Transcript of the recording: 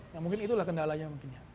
ya mungkin itulah kendalanya mungkin ya